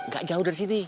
gak jauh dari sini